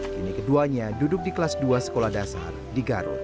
kini keduanya duduk di kelas dua sekolah dasar di garut